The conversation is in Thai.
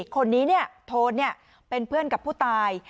คนนี้โทนเป็นเพื่อนกับผู้ตาย